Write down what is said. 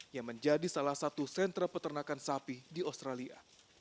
yang menjadi salah satu sentra peternakan sapi di australia